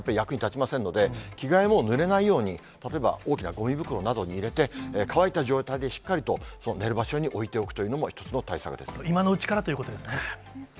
それから体がぬれてしまった場合、着替えがね、ぬれてしまうと、やっぱり役に立ちませんので、着替えもぬれないように、例えば、大きなごみ袋などに入れて、乾いた状態で、しっかりと寝る場所に置いておくというのも、今のうちからということです